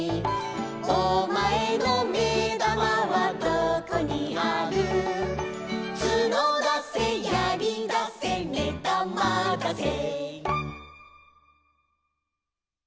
「お前のめだまはどこにある」「角だせやりだせめだまだせ」